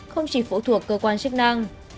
không chỉ phụ thuộc cơ quan chức năng